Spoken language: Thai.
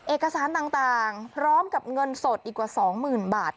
เอกสารต่างพร้อมกับเงินสดอีกกว่า๒๐๐๐บาท